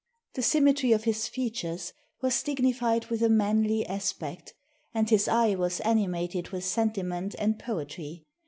The symmetry of his features was dignified with a manly aspect, and his eye was animated with sentiment and poetry.